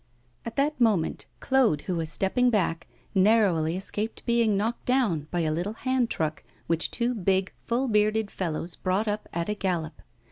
At that moment, Claude, who was stepping back, narrowly escaped being knocked down by a little hand truck which two big full bearded fellows brought up at a gallop.